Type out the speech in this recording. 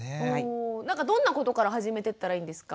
なんかどんなことから始めてったらいいんですか？